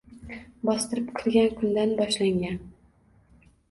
Bostirib kirgan kundan boshlangan